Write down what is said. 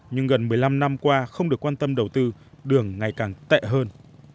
nhưng gần một mươi năm năm qua không được quan tâm đầu tư đường ngày càng tệ hơn